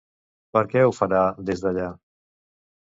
Per què ho farà des d'allà?